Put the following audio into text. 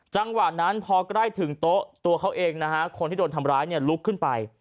จังหวะนั้นพอใกล้ถึงโต๊ะตัวเขาเองนะฮะคนที่โดนทำร้ายเนี่ยลุกขึ้นไป